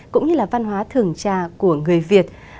cũng như là văn hóa thưởng trà của người việt